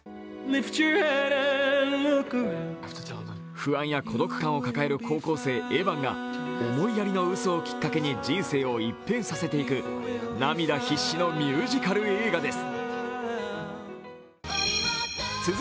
不安や孤独感を抱える高校生エヴァンが思いやりの嘘をきっかけに人生を一変していく涙必死のミュージカル映画です。